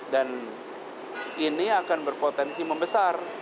dan ini akan berpotensi membesar